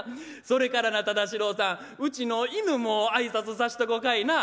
それからな忠四郎さんうちの犬も挨拶さしとこうかいな」。